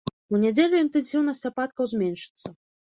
У нядзелю інтэнсіўнасць ападкаў зменшыцца.